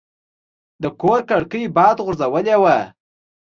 د کور کړکۍ باد غورځولې وه.